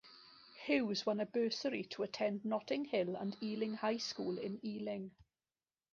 Hughes won a bursary to attend Notting Hill and Ealing High School in Ealing.